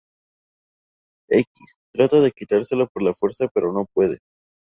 X trata de quitárselo por la fuerza pero no puede.